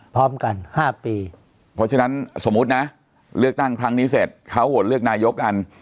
พร้อมกัน๕ปีเพราะฉะนั้นสมมุตินะเลือกตั้งครั้งนี้เสร็จเขาโหวตเลือกนายกกัน